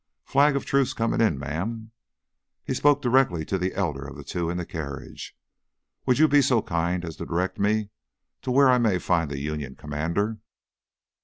"Flag of truce comin' in, ma'am." He spoke directly to the elder of the two in the carriage. "Would you be so kind as to direct me to where I may find the Union commander?"